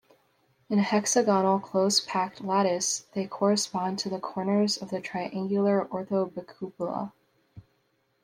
In a hexagonal close-packed lattice they correspond to the corners of the triangular orthobicupola.